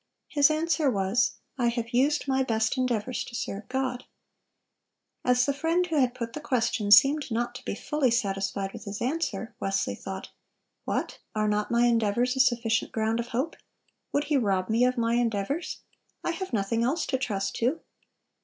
His answer was, "I have used my best endeavors to serve God." As the friend who had put the question seemed not to be fully satisfied with his answer, Wesley thought, "What! are not my endeavors a sufficient ground of hope? Would he rob me of my endeavors? I have nothing else to trust to."